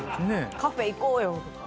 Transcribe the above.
カフェ行こうよとか。